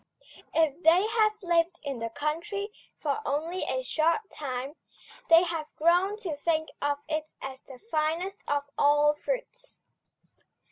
If they have lived in the country for only a short time, they have grown to think of it as the finest of all fruits.